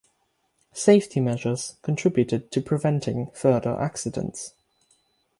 Safety measures contributed to preventing further accidents.